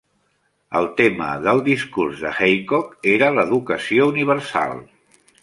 El tema del discurs de Aycock era l'"Educació universal".